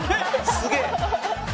すげえ！